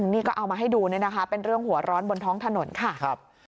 นี่ก็เอามาให้ดูเนี่ยนะคะเป็นเรื่องหัวร้อนบนท้องถนนค่ะ